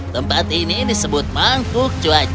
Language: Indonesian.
tempat ini disebut mangkuk cuaca